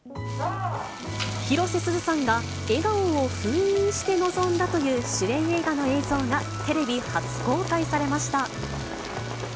広瀬すずさんが、笑顔を封印して臨んだという主演映画の映像が、テレビ初公開されました。